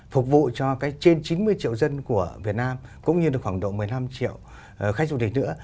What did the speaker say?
phục vụ cho trên chín mươi triệu dân của việt nam cũng như là khoảng độ một mươi năm triệu khách du lịch nữa